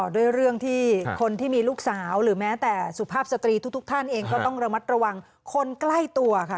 ด้วยเรื่องที่คนที่มีลูกสาวหรือแม้แต่สุภาพสตรีทุกท่านเองก็ต้องระมัดระวังคนใกล้ตัวค่ะ